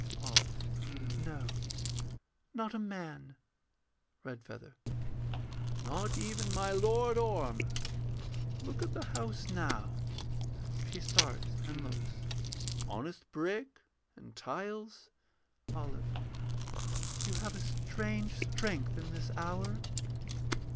OLIVE. No; not a man. REDFEATHER. Not even my Lord Orm. Look at the house now [She starts and looks.] Honest brick and tiles. OLIVE. You have a strange strength in this hour.